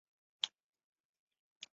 湖南省龙山县水田坝下比寨人。